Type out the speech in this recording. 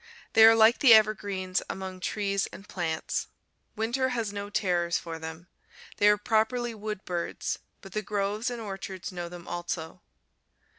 They are like the evergreens among trees and plants. Winter has no terrors for them. They are properly wood birds, but the groves and orchards know them also.